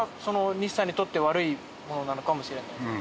西さんにとって悪いものなのかもしれない。